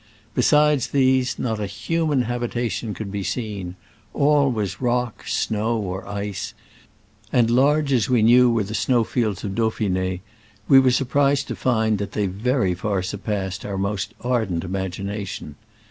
Be sides these, not a human habitation could be seen : all was rock, snow or ice ; and large as we knew were the snow fields of Dauphine, we were sur prised to find that they very far sur passed our most ardent imagination.